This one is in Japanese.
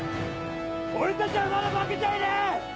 俺たちはまだ負けちゃいねえ！